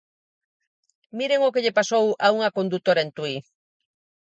Miren o que lle pasou a unha condutora en Tui.